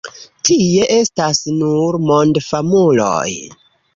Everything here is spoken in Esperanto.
Tie estas nur mondfamuloj.